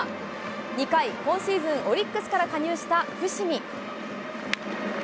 ２回、今シーズン、オリックスから加入した伏見。